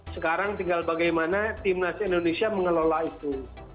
sekarang tinggal bagaimana timnas indonesia mengelola itu